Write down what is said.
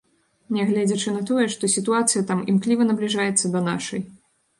Нягледзячы на тое, што сітуацыя там імкліва набліжаецца да нашай.